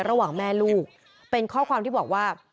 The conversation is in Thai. ระหว่างแม่ลูกเป็นข้อความที่บอกว่า